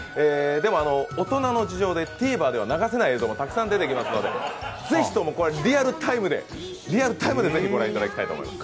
でも大人の事情でＴＶｅｒでは流せない映像がたくさん出てきますのでぜひとも、リアルタイムでご覧いただきたいと思います。